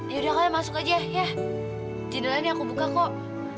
yaudah kalian masuk aja ya jendela nih aku buka kok